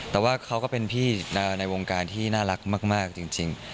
แต่ว่าเขาก็เป็นพี่ในวงการที่น่ารักมากจริง